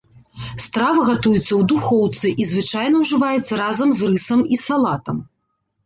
Страва гатуецца ў духоўцы і звычайна ўжываецца разам з рысам і салатам.